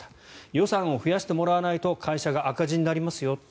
予算を増やしてもらわないと会社が赤字になりますよ。